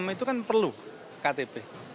itu kan perlu iktp